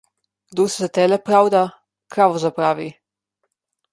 Kdor se za tele pravda, kravo zapravi.